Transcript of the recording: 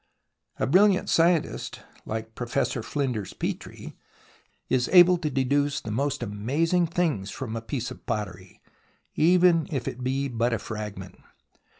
A brilliant scientist like Professor Flinders Petrie is able to deduce the most amazing things from a piece of pottery, even if it be but a fragment.